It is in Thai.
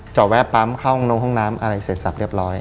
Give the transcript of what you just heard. จอดแวะปั๊มเข้าห้องน้ำอะไรเสร็จสับเรียบร้อย